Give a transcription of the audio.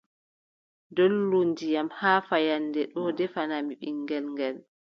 Dollu ndiyam haa fahannde ɗoo ndefanaami ɓiŋngel ngel,